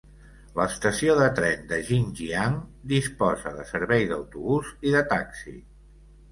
L'estació de tren de Jinjiang disposa de servei d'autobús i de taxi.